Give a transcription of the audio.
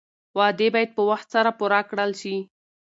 وعدې باید په وخت سره پوره کړل شي.